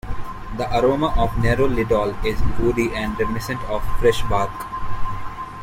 The aroma of nerolidol is woody and reminiscent of fresh bark.